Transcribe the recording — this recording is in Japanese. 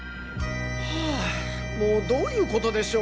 はぁもうどういう事でしょう？